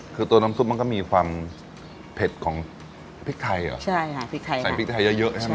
คือตัวน้ำซุปมันก็มีความเผ็ดของพริกไทยเหรอใช่ค่ะพริกไทยใส่พริกไทยเยอะเยอะใช่ไหม